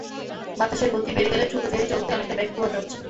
বাতাসের গতি বেড়ে গেলে ছোট ফেরি চলতে অনেকটা বেগ পোহাতে হচ্ছে।